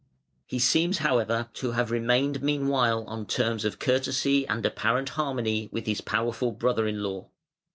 He seems, however, to have remained meanwhile on terms of courtesy and apparent harmony with his powerful brother in law.